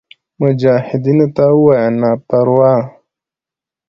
مجاهدینو ته ووایه نه پروا.